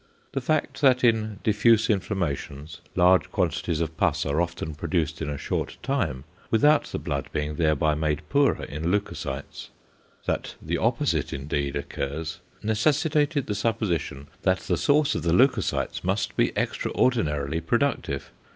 The fact that in diffuse inflammations, large quantities of pus are often produced in a short time, without the blood being thereby made poorer in leucocytes, that the opposite indeed occurs, necessitated the supposition that the source of the leucocytes must be extraordinarily productive.